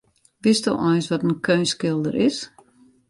Witsto eins wat in keunstskilder is?